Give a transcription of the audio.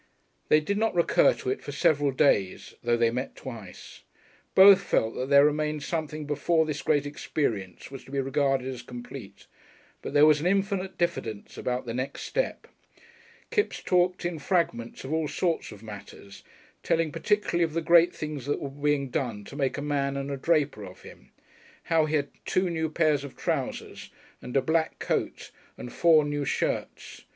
They did not recur to it for several days, though they met twice. Both felt that there remained something before this great experience was complete, but there was an infinite diffidence about the next step. Kipps talked in fragments of all sorts of matters, telling particularly of the great things that were being done to make a man and a draper of him, how he had two new pairs of trousers and a black coat and four new shirts.